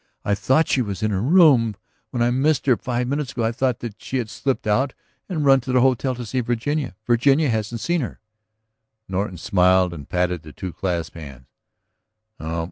"I thought she was in her room; when I missed her five minutes ago I thought that she had slipped out and run up to the hotel to see Virginia. Virginia hasn't seen her." Norton smiled and patted the two clasped hands.